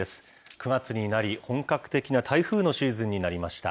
９月になり、本格的な台風のシーズンになりました。